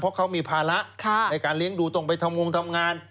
เพราะเขามีภาระในการเลี้ยงดูต้องไปทำงงทำงาน